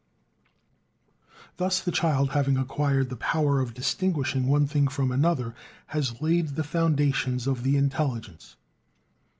Thus the child, having acquired the power of distinguishing one thing from another, has laid the foundations of the intelligence.